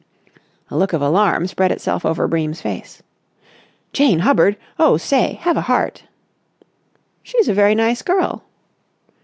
A look of alarm spread itself over Bream's face. "Jane Hubbard! Oh, say, have a heart!" "She's a very nice girl."